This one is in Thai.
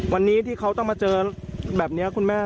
วันนี้ที่เขาต้องมาเจอแบบนี้คุณแม่